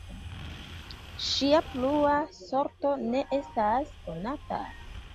Ŝia plua sorto ne estas konata.